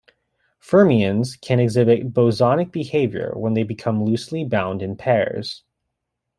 Fermions can exhibit bosonic behavior when they become loosely bound in pairs.